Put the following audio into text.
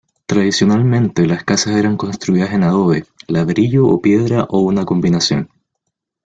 Tradicionalmente, las casas eran construidas en adobe, ladrillo o piedra o una combinación.